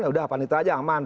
ya udah panitera aja aman